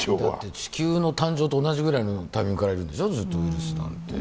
地球の誕生と同じぐらいのタイミングからいるんでしょう、ウイルスなんて。